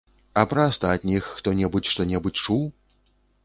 А пра астатніх хто-небудзь што-небудзь чуў?